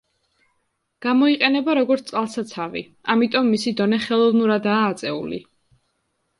გამოიყენება როგორც წყალსაცავი, ამიტომ მისი დონე ხელოვნურადაა აწეული.